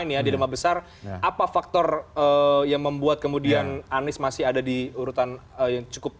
ini adima besar apa faktor yang membuat kemudian anies masih ada di urutan yang cukup